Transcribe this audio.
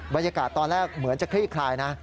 บรรยากาศตอนแรกเหมือนจะคลี่คลายนะ